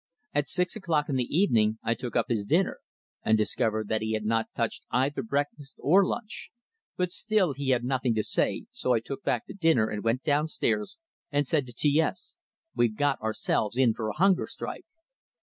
At six o'clock in the evening I took up his dinner, and discovered that he had not touched either breakfast or lunch; but still he had nothing to say, so I took back the dinner, and went downstairs, and said to T S: "We've got ourselves in for a hunger strike!"